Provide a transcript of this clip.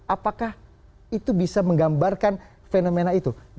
apakah itu bisa menggambarkan fenomena itu